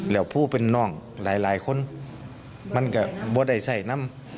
แล้วผู้เป็นน้องหลายคนมันก็บ่ได้ใส่น้ำ